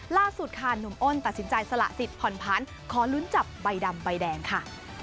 ล่าสุดค่ะหนุ่มอ้นตัดสินใจสละสิทธิ์ผ่อนพันธุ์ขอลุ้นจับใบดำใบแดงค่ะ